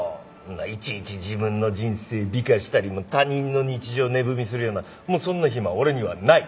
いちいち自分の人生美化したり他人の日常を値踏みするようなもうそんな暇は俺にはない。